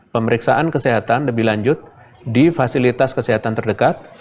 pemeriksaan kesehatan lebih lanjut di fasilitas kesehatan terdekat